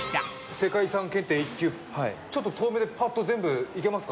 世界遺産検定１級はいちょっと遠目でパッと全部いけますか？